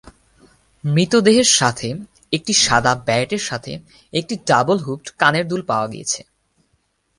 মৃতদেহের সাথে, একটি সাদা ব্যারেটের সাথে একটি ডাবল-হুপড কানের দুল পাওয়া গেছে।